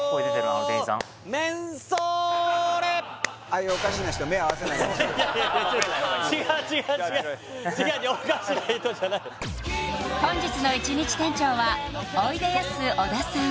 あの店員さん本日の１日店長はおいでやす小田さん